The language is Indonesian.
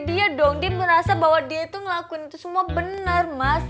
dia dong dia merasa bahwa dia itu ngelakuin itu semua benar mas